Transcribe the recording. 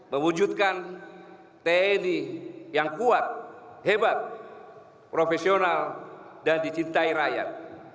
mewujudkan tni yang kuat hebat profesional dan dicintai rakyat